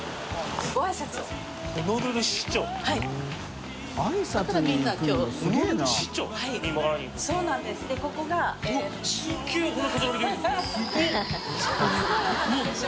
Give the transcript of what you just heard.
すごいお花でしょ？